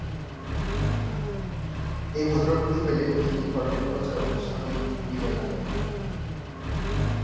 এই ভদ্রলোকই হইলেন হিন্দুধর্মের প্রচারক স্বামী বিবে কানন্দ।